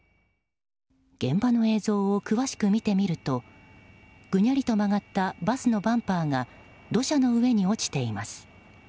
現場の映像を詳しく見てみるとぐにゃりと曲がったバスのバンパーが土砂の上に落ちています。